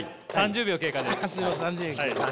３０秒経過です。